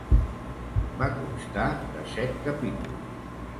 Va constar de set capítols.